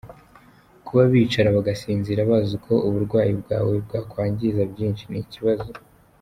Kuba bicara bagasinzira bazi ko uburwayi bwawe bwakwangiza byinshi, ni ikibazo.